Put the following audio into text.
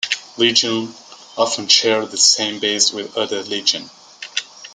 Legions often shared the same base with other legions.